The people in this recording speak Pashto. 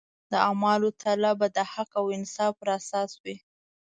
د اعمالو تله به د حق او انصاف پر اساس وي.